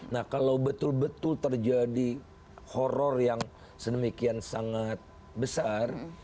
nah kalau betul betul terjadi horror yang sedemikian sangat besar